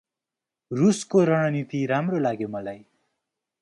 रुसको रणनीति राम्रो लाग्यो मलाई ।